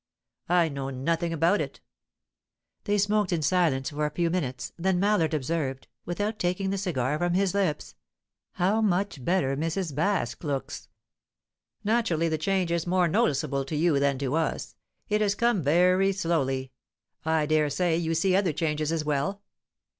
"I know nothing about it." They smoked in silence for a few minutes. Then Mallard observed, without taking the cigar from his lips: "How much better Mrs. Baske looks!" "Naturally the change is more noticeable to you than to us. It has come very slowly. I dare say you see other changes as well?"